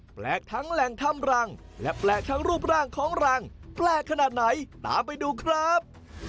แปลกทั้งแหล่งทำรังและแปลกทั้งรูปร่างของรังแปลกขนาดไหนตามไปดูครับ